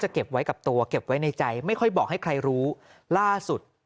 เก็บไว้กับตัวเก็บไว้ในใจไม่ค่อยบอกให้ใครรู้ล่าสุด